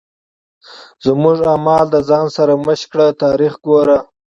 زموږ اعمال د ځان سرمشق کړه تاریخ ګوره.